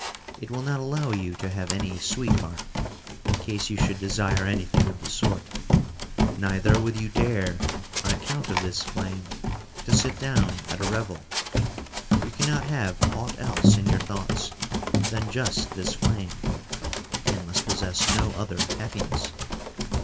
It will not allow you to have any sweet heart—in case you should desire anything of the sort—neither would you dare on account of this flame to sit down at a revel. You can not have aught else in your thoughts than just this flame, and must possess no other happiness.